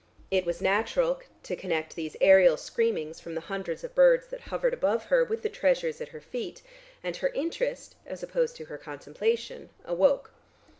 It was natural to connect these aerial screamings from the hundreds of birds that hovered above her with the treasures at her feet, and her interest as opposed to her contemplation awoke.